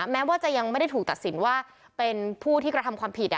แม้ว่าจะยังไม่ได้ถูกตัดสินว่าเป็นผู้ที่กระทำความผิด